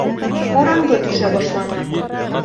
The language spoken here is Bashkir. Ҡараңғы төшә башланы.